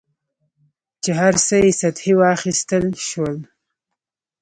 چې هر څه یې سطحي واخیستل شول.